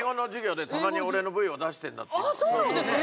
そうなんですか？